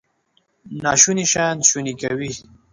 ناشوني شیان شوني کوي.